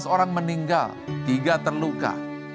tiga belas orang meninggal tiga terluka